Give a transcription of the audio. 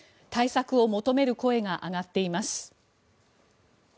対策を求める声が上がっています。